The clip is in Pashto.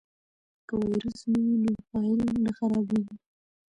که ویروس نه وي نو فایل نه خرابېږي.